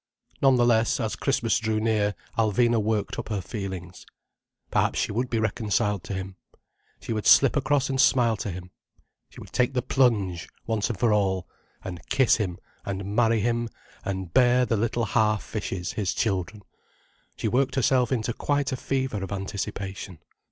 None the less, as Christmas drew near Alvina worked up her feelings. Perhaps she would be reconciled to him. She would slip across and smile to him. She would take the plunge, once and for all—and kiss him and marry him and bear the little half fishes, his children. She worked herself into quite a fever of anticipation.